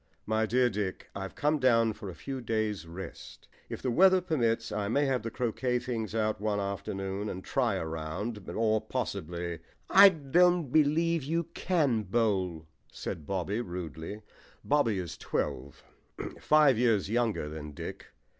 "My dear Dick, I've come down for a few days' rest. If the weather permits, I may have the croquet things out one afternoon and try a round, or possibly " "I don't believe you can bowl," said Bobby rudely. Bobby is twelve five years younger than Dick.